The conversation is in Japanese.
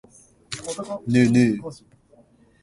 ねえねえ。